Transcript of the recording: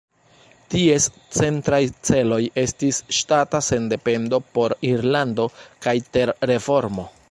Ties centraj celoj estis ŝtata sendependo por Irlando kaj ter-reformo.